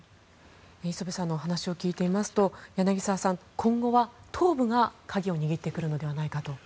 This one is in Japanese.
磯部さんの話を聞いていますと柳澤さん、今後は東部が鍵を握ってくるのではないかと。